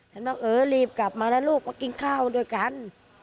บอกเออรีบกลับมาแล้วลูกมากินข้าวด้วยกัน